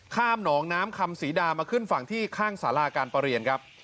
น้องน้ำคำศรีดามาขึ้นฝั่งที่ข้างสาราการประเรียนครับ